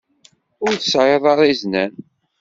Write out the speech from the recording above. Ur tesɛiḍ ara iznan.